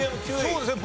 そうですね。